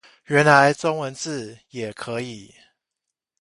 原來中文字也可以